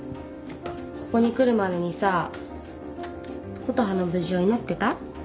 ここに来るまでにさ琴葉の無事を祈ってた？